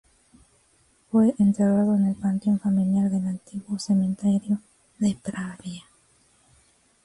Fue enterrado en el panteón familiar del antiguo cementerio de Pravia.